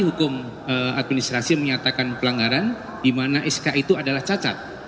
hukum administrasi menyatakan pelanggaran di mana sk itu adalah cacat